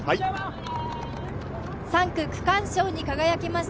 ３区区間賞に輝きました